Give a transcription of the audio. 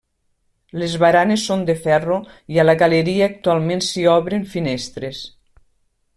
Les baranes són de ferro i a la galeria actualment s'hi obren finestres.